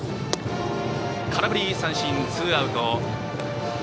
空振り、ツーアウト！